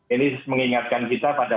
ini mengingatkan kita pada